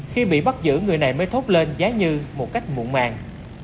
khi bị bắt giữ người này mới thốt lên giá như một cách mụn màng